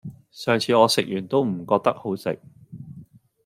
上次我食完都唔覺得好食